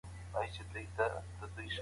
ماشومان هغه ځای ته له ليري ګوري او وېرېږي.